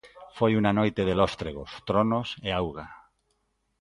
Foi unha noite de lóstregos, tronos e auga.